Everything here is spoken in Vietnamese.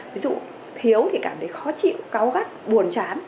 ví dụ thiếu thì cảm thấy khó chịu cáo gắt buồn chán